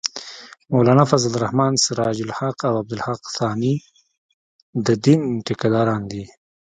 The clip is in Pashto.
مولانا فضل الرحمن ، سراج الحق او عبدالحق ثاني د دین ټېکه داران دي